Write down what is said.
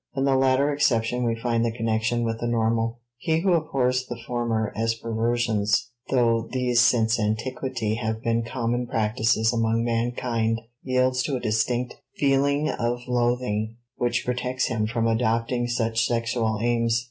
In the latter exception we find the connection with the normal. He who abhors the former as perversions, though these since antiquity have been common practices among mankind, yields to a distinct feeling of loathing which protects him from adopting such sexual aims.